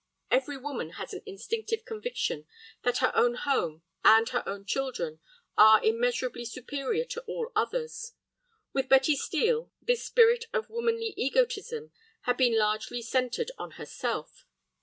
Every woman has an instinctive conviction that her own home, and her own children, are immeasurably superior to all others. With Betty Steel, this spirit of womanly egotism had been largely centred on herself.